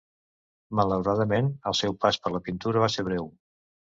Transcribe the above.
Malauradament, el seu pas per la pintura va ser breu.